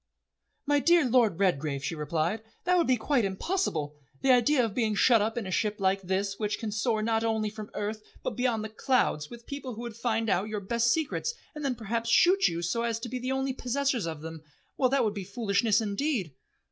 "My dear Lord Redgrave," she replied, "that would be quite impossible. The idea of being shut up in a ship like this which can soar not only from earth, but beyond the clouds, with people who would find out your best secrets and then perhaps shoot you so as to be the only possessors of them well, that would be foolishness indeed."